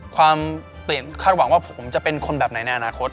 ความเปลี่ยนคาดหวังว่าผมจะเป็นคนแบบไหนในอนาคต